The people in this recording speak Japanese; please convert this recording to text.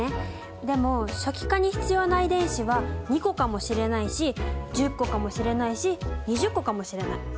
でも初期化に必要な遺伝子は２個かもしれないし１０個かもしれないし２０個かもしれない。